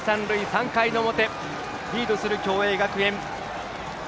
３回の表、リードする共栄学園。